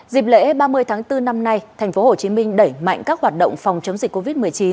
dịp lễ ba mươi tháng bốn năm nay thành phố hồ chí minh đẩy mạnh các hoạt động phòng chống dịch covid một mươi chín